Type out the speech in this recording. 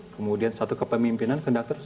kemudian satu kepemimpinan kondaktor